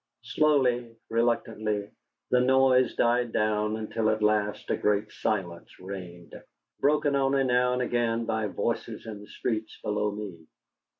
Slowly, reluctantly, the noise died down until at last a great silence reigned, broken only now and again by voices in the streets below me.